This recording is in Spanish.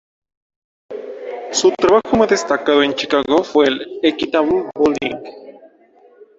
Su trabajo más destacado en Chicago fue el Equitable Building.